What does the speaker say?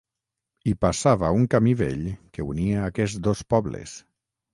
Hi passava un camí vell que unia aquests dos pobles.